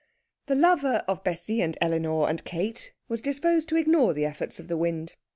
The lover of Bessie and Elinor and Kate was disposed to ignore the efforts of the wind.